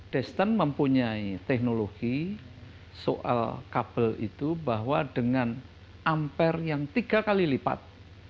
desten mempunyai teknologi soal kabel itu bahwa dengan ampere yang tiga kali lipat